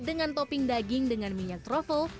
dengan topping daging dengan minyak troffle